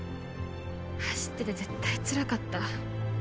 走ってて絶対つらかった